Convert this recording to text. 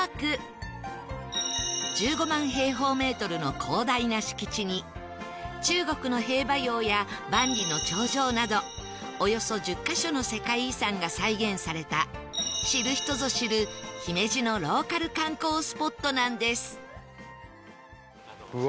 １５万平方メートルの広大な敷地に中国の兵馬俑や万里の長城などおよそ１０カ所の世界遺産が再現された知る人ぞ知る姫路のローカル観光スポットなんです